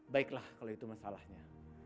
baiklah kalau itu masalahnya